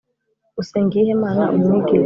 Usenga iyihe Mana Umwigisha